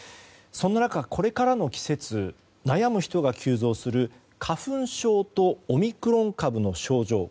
そんな中、これからの季節悩む人が急増する花粉症とオミクロン株の症状